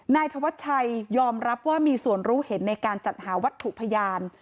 นายธวัชชัยยอมรับว่ามีส่วนรู้เห็นในการจัดหาวัตถุพยาน